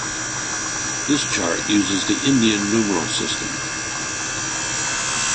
"This chart uses the Indian numeral system"